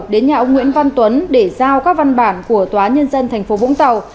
đến nhà ông nguyễn văn tuấn để giao các văn bản của tòa nhân dân tp vũng tàu